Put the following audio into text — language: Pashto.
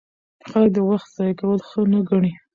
خلک د وخت ضایع کول ښه نه ګڼي.